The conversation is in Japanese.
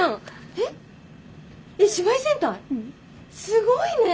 すごいね！